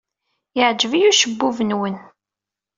Yeɛjeb-iyi ucebbub-nwen.